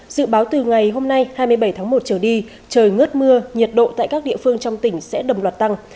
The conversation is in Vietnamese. dự báo từ ngày hôm nay hai mươi bảy tháng một trở đi trời ngớt mưa nhiệt độ tại các địa phương trong tỉnh sẽ đồng loạt tăng